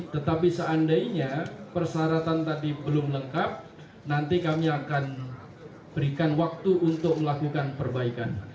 tetapi seandainya persyaratan tadi belum lengkap nanti kami akan berikan waktu untuk melakukan perbaikan